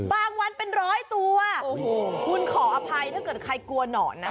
วันเป็นร้อยตัวโอ้โหคุณขออภัยถ้าเกิดใครกลัวหนอนนะ